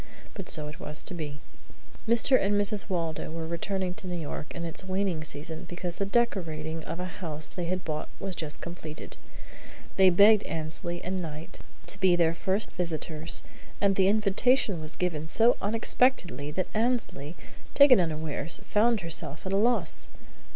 But so it was to be. Mr. and Mrs. Waldo were returning to New York in its waning season because the decorating of a house they had bought was just completed. They begged Annesley and Knight to be their first visitors, and the invitation was given so unexpectedly that Annesley, taken unawares, found herself at a loss.